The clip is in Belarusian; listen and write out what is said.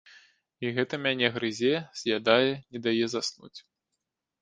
І гэта мяне грызе, з'ядае, не дае заснуць.